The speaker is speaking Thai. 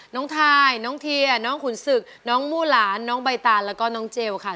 ทายน้องเทียน้องขุนศึกน้องมู่หลานน้องใบตานแล้วก็น้องเจลค่ะ